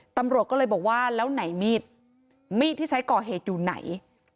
ตำรวจก็เลยบอกว่าแล้วไหนมีดมีดที่ใช้ก่อเหตุอยู่ไหน